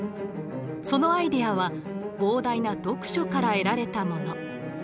そのアイデアは膨大な読書から得られたもの。